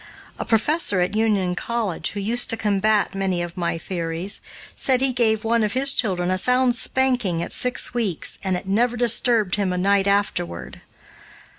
A professor at Union College, who used to combat many of my theories, said he gave one of his children a sound spanking at six weeks, and it never disturbed him a night afterward.